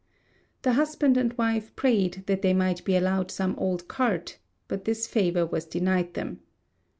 The husband and wife prayed that they might be allowed some old cart, but this favour was denied them.